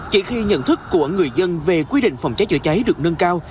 chỉ khi nhận thức của người dân về quy định phòng cháy chữa cháy được nâng cao